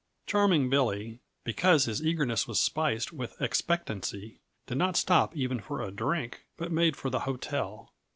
Charming Billy, because his eagerness was spiced with expectancy, did not stop even for a drink, but made for the hotel.